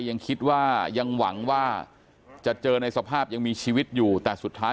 ยังคิดว่ายังหวังว่าจะเจอในสภาพยังมีชีวิตอยู่แต่สุดท้าย